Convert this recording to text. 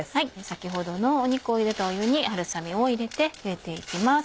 先ほどの肉を入れた湯に春雨を入れてゆでて行きます。